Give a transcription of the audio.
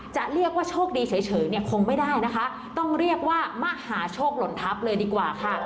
จะเรียกว่าโชคดีเฉยเนี่ยคงไม่ได้นะคะต้องเรียกว่ามหาโชคหล่นทัพเลยดีกว่าค่ะ